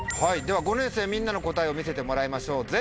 では５年生みんなの答えを見せてもらいましょう。